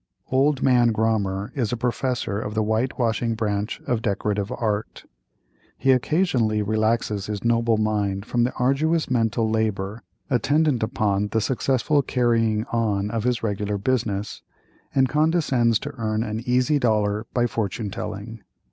"Old Man" Grommer is a professor of the whitewashing branch of decorative art. He occasionally relaxes his noble mind from the arduous mental labor attendant upon the successful carrying on of his regular business, and condescends to earn an easy dollar by fortune telling.